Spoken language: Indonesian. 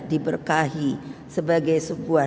diberkahi sebagai sebuah